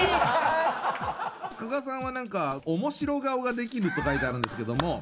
加賀さんは何か面白顔ができるって書いてあるんですけども。